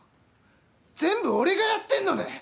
全部、俺がやってんのかよ！